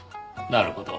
なるほど。